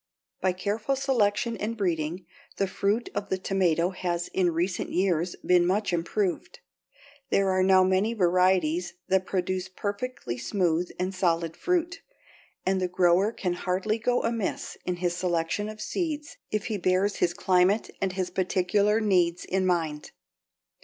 By careful selection and breeding, the fruit of the tomato has in recent years been much improved. There are now many varieties that produce perfectly smooth and solid fruit, and the grower can hardly go amiss in his selection of seeds if he bears his climate and his particular needs in mind.